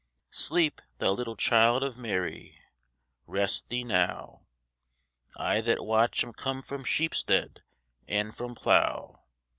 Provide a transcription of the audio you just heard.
Sleep, Thou little Child of Mary, Rest Thee now. I that watch am come from sheep stead And from plough.